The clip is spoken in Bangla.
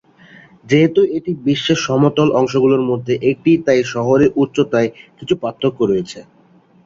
যেহেতু এটি বিশ্বের সমতল অংশগুলির মধ্যে একটি, তাই শহরের উচ্চতায় কিছু পার্থক্য রয়েছে।